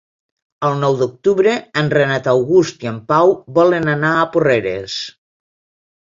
El nou d'octubre en Renat August i en Pau volen anar a Porreres.